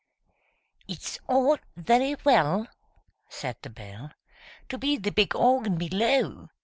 It's all very well, Said the Bell, To be the big Organ below!